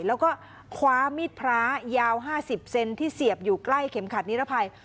แล้วก็คว้ามีดพระยาว๕๐เซนที่เสียบอยู่ใกล้เข็มขัดนิรภัย